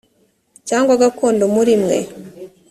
cyangwa gakondo muri mwe